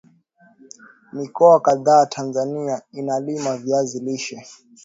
mikoa kadhaa Tanzania inalima viazi lishe